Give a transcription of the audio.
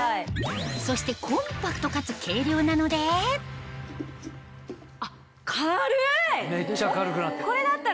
そしてコンパクトかつ軽量なのでめっちゃ軽くなった。